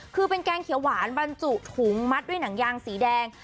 คือเป็นแกงเขียวหวานบรรจุถุงมัดด้วยหนังยางสีแดง